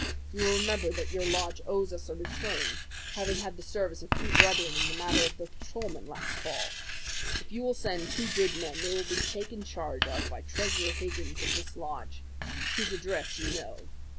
You will remember that your lodge owes us a return, having had the service of two brethren in the matter of the patrolman last fall. You will send two good men, they will be taken charge of by Treasurer Higgins of this lodge, whose address you know.